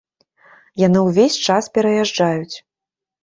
Яны ўвесь час пераязджаюць.